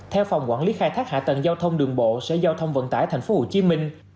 theo phòng quản lý khai thác hạ tầng giao thông đường bộ sở giao thông vận tải tp hcm